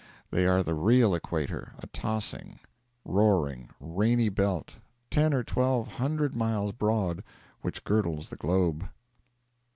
They are the real equator, a tossing, roaring, rainy belt, ten or twelve hundred miles broad, which girdles the globe.